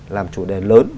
làm chủ đề lớn